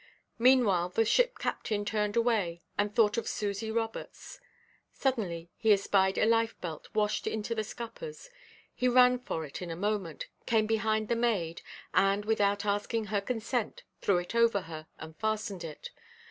Meanwhile the ship–captain turned away, and thought of Susy Roberts. Suddenly he espied a life–belt washed into the scuppers. He ran for it in a moment, came behind the maid, and, without asking her consent, threw it over her, and fastened it.